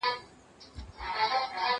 زه کارونه نه کوم